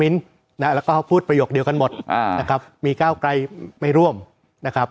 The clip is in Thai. นะแล้วก็พูดประโยคเดียวกันหมดอ่านะครับมีก้าวไกลไม่ร่วมนะครับ